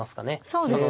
そうですね。